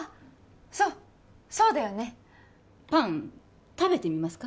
そうそうだよねパン食べてみますか？